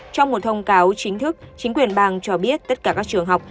trong một thông cáo chính thức chính quyền bang cho biết tất cả các trường học